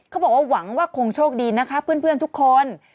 เขาบอกว่าหวังว่าคงโชคดีนะคะเพื่อนทุกคน